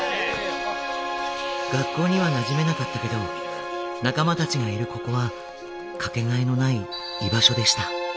学校にはなじめなかったけど仲間たちがいるここは掛けがえのない居場所でした。